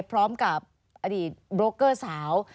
พร้อมกับบล็อกเกอร์สาว